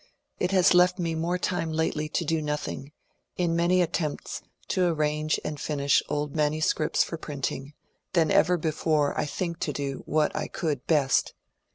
It has left me more time lately to do nothing, in many attempts to arrange and finish old manuscripts for printing, than ever before I think to do what I oonld best.